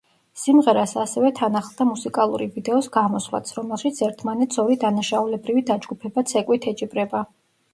სიმღერას ასევე თან ახლდა მუსიკალური ვიდეოს გამოსვლაც, რომელშიც ერთმანეთს ორი დანაშაულებრივი დაჯგუფება ცეკვით ეჯიბრება.